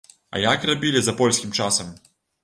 А як рабілі за польскім часам?